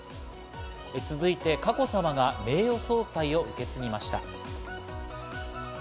続いて、佳子さまが名誉総裁を受け継ぎました。